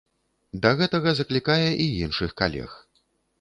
Да гэтага заклікае і іншых калег.